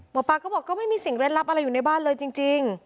หมอปลาก็บอกก็ไม่มีสิ่งเล่นลับอะไรอยู่ในบ้านเลยจริง